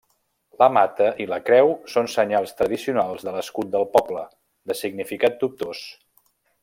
La mata i la creu són senyals tradicionals de l'escut del poble, de significat dubtós.